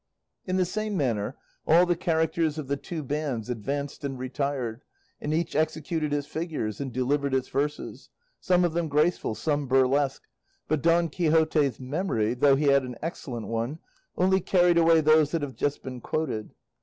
In the same manner all the characters of the two bands advanced and retired, and each executed its figures, and delivered its verses, some of them graceful, some burlesque, but Don Quixote's memory (though he had an excellent one) only carried away those that have been just quoted.